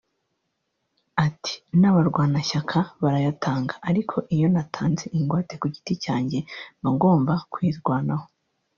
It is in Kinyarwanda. Ati “N’abarwanashyaka barayatanga ariko iyo natanze ingwate ku giti cyanjye mba ngombwa kwirwanaho